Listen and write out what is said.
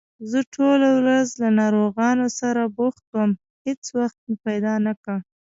زه ټوله ورځ له ناروغانو سره بوخت وم، هېڅ وخت مې پیدا نکړ